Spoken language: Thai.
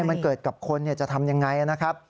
มันเกิดกับคนจะทำยังไงนะครับ